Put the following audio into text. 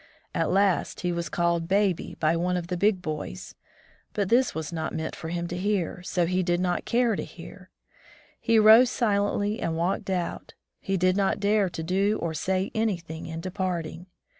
At last he was called "Baby" by one of the big boys ; but this was not meant for him to hear, so he did not care to hear. He rose silently and walked out. He did not dare to do or say anything in departing.